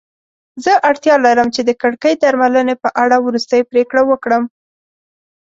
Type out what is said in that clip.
زه اړتیا لرم چې د کړکۍ درملنې په اړه وروستۍ پریکړه وکړم.